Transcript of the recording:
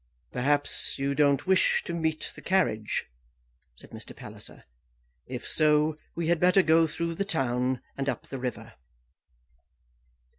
"Perhaps you don't wish to meet the carriage?" said Mr. Palliser. "If so, we had better go through the town and up the river."